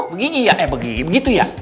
begini ya eh begini begitu ya